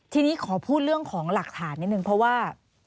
ทีนี้ขอพูดเรื่องของหลักฐานนิดนึงเพราะว่า